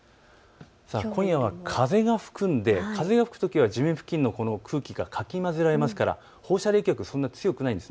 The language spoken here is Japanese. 今夜は風が吹くので風が吹くときは地面付近の空気がかき交ぜられますから放射冷却はそんなに強くないんです。